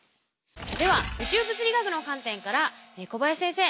では宇宙物理学の観点から小林先生